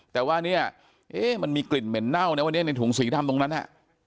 แต่ว่าเนี่ยเอ๊ะมันมีกลิ่นเหม็นเน่านะวันนี้ในถุงสีดำตรงนั้นน่ะ